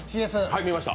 見ました。